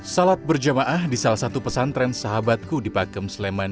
salat berjamaah di salah satu pesantren sahabatku di pakem sleman